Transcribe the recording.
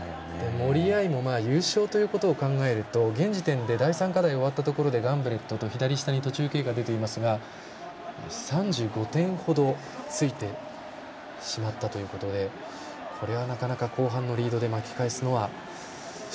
森秋彩も優勝ということを考えると現時点で第３課題が終わったところでガンブレットと、左下に途中経過が出ていますが３５点ほどついてしまったということでこれは、なかなか後半のリードで巻き返すのは。